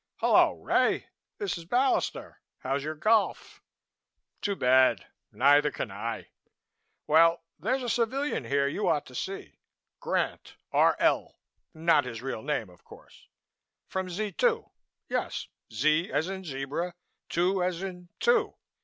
"Hullo, Ray? This is Ballister. How's your golf? Too bad! Neither can I.... Well, there's a civilian here you ought to see ... Grant, R. L. Not his real name, of course ... from Z 2.... Yes, Z as in zebra, two as in two....